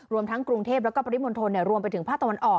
รวมทั้งกรุงเทพแล้วก็ปริมณฑลรวมไปถึงภาคตะวันออก